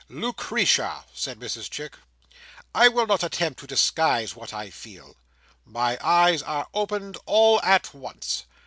"Lucretia!" said Mrs Chick "I will not attempt to disguise what I feel. My eyes are opened, all at once.